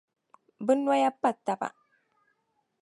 Bɛ nɔya pa taba.